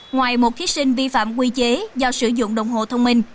ngoài một thí sinh vi phạm quy chế do sử dụng đồng hồ thông minh